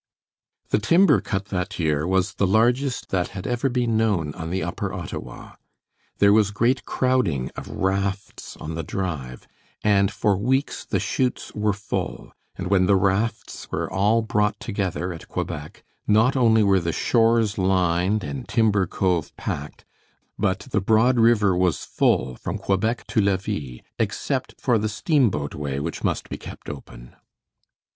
The timber cut that year was the largest that had ever been known on the Upper Ottawa. There was great crowding of rafts on the drive, and for weeks the chutes were full, and when the rafts were all brought together at Quebec, not only were the shores lined and Timber Cove packed, but the broad river was full from Quebec to Levis, except for the steamboat way which must be kept open.